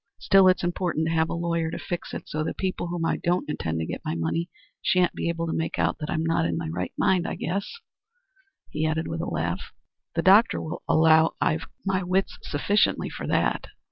Still, it's important to have in a lawyer to fix it so the people whom I don't intend to get my money shan't be able to make out that I'm not in my right mind. I guess," he added, with a laugh, "that the doctor will allow I've my wits sufficiently for that?"